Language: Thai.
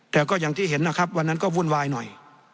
แต่ก็อย่างที่เห็นนะครับวันนั้นก็วุ่นวายหน่อย